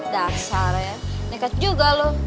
dasar ya nekat juga loh